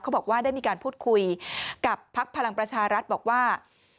บอกว่าได้มีการพูดคุยกับพักพลังประชารัฐบอกว่า